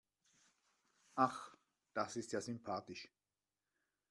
Ach, das ist ja sympathisch.